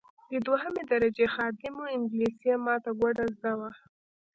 دی دوهمه درجه خادم وو انګلیسي یې ماته ګوډه زده وه.